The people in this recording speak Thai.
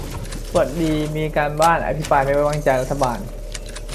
สวัสดีมีการบ้าน อภิปรายไม่ไว้วางใจรัฐบาล